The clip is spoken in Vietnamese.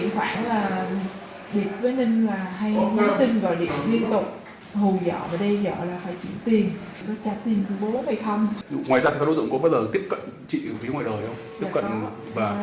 công an tỉnh lào cai phối hợp với cục an ninh mạng phòng chống tội phạm sử dụng công nghệ cao